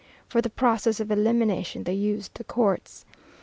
For the process of elimination they used the courts.